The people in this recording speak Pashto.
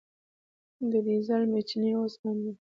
د ډیزل میچنې اوس عامې دي.